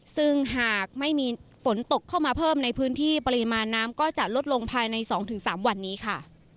ซึ่งหากไม่มีฝนตกเข้ามาเพิ่มในพื้นที่ปริมาณน้ำก็จะลดลงภายใน๒๓วันนี้ค่ะ